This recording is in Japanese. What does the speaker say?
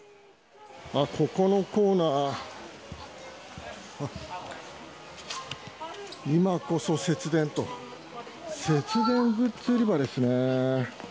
あっ、ここのコーナー、今こそ節電と、節電グッズ売り場ですね。